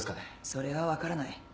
それは分からない。